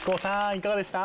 いかがでした？